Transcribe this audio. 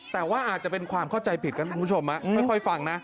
แต่ว่าอาจจะเป็นความเข้าใจผิดกันคุณผู้ชมค่อยฟังนะ